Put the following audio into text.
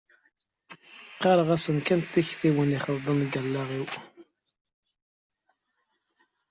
Qqareɣ-as kan d tiktiwin i ixelḍen deg wallaɣ-iw.